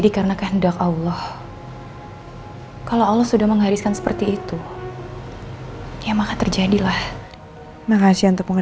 gimana kalau kamu lagi tergejar denganquer smoke